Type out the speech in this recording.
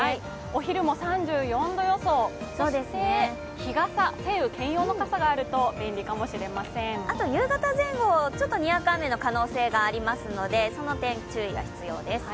お昼も３４度予想、そして晴雨兼用の傘があるとあと夕方前後、にわか雨の可能性がありますので、その点、注意が必要です。